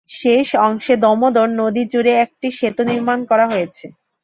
শেষ অংশে দামোদর নদী জুড়ে একটি সেতু নির্মাণ করা হয়েছে।